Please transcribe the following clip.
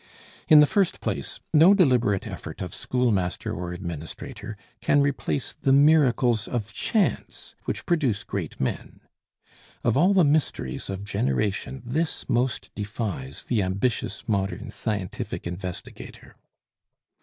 In the first place, no deliberate effort of schoolmaster or administrator can replace the miracles of chance which produce great men: of all the mysteries of generation, this most defies the ambitious modern scientific investigator.